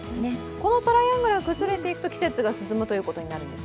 このトライアングル崩れていくと季節が進んでいくことになるんですか？